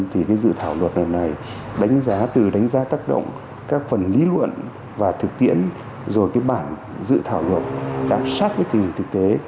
thì cái dự thảo luật lần này đánh giá từ đánh giá tác động các phần lý luận và thực tiễn rồi cái bản dự thảo luật đã sát với tình hình thực tế